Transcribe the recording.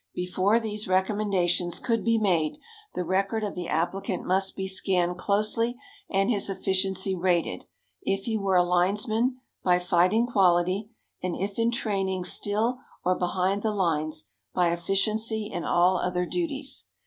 Before these recommendations could be made, the record of the applicant must be scanned closely, and his efficiency rated if he were a linesman, by fighting quality, and if in training still or behind the lines, by efficiency in all other duties.